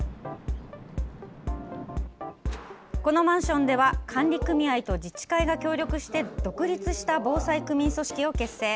このマンションでは管理組合と自治会が協力して独立した防災区民組織を結成。